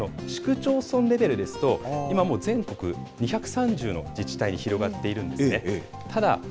市区町村レベルですと、今もう全国２３０の自治体に広がっているんですね。